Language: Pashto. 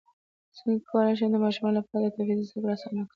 څنګه کولی شم د ماشومانو لپاره د توحید زدکړه اسانه کړم